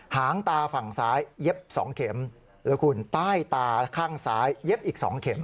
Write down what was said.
หางตาฝั่งซ้ายเย็บ๒เข็มแล้วคุณใต้ตาข้างซ้ายเย็บอีก๒เข็ม